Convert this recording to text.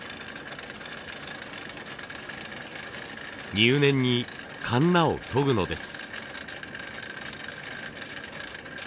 入念にカンナを研ぐのです。